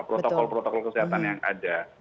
protokol protokol kesehatan yang ada